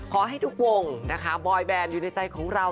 ขอให้ทุกวงนะคะบอยแบนอยู่ในใจของเรา